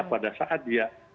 pada saat dia